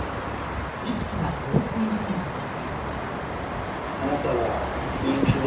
医師からこう告げられました。